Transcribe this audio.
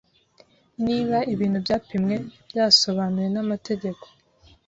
niba ibintu byapimwe byasobanuwe namategeko